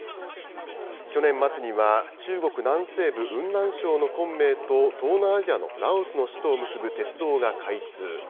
去年末には、中国南西部雲南省の昆明と東南アジアのラオスの首都を結ぶ鉄道が開通。